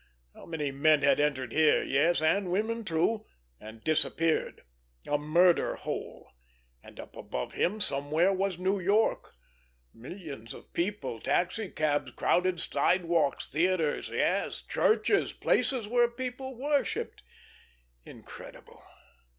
How many men had entered here, yes, and women too—and disappeared? A murder hole! And up above him somewhere was New York—millions of people, taxicabs, crowded sidewalks, theatres, and, yes, churches, places where people worshipped. Incredible!